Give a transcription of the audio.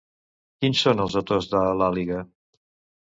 Quins són els autors de l'àliga?